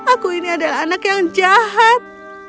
aku ini adalah anak yang jahat